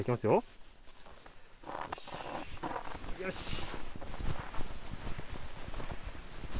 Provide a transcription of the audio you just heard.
よし。